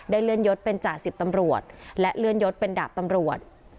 เลื่อนยศเป็นจ่าสิบตำรวจและเลื่อนยศเป็นดาบตำรวจ